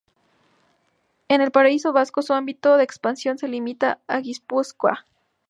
En el País Vasco, su ámbito de expansión se limitaba a Guipúzcoa.